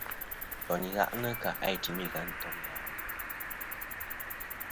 Ntoyn i gha'nɨ kà' a i timi kɨ a ntom i gha'nɨ.